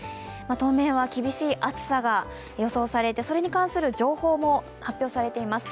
当面は厳しい暑さが予想されてそれに関する情報も発表されています。